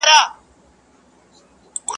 o بار چي خر نه وړي، نو په خپله به ئې وړې.